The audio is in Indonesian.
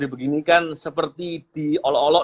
dibeginikan seperti diolok olok